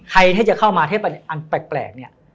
ใครที่จะเข้ามาเทพอันแปลกเนี่ย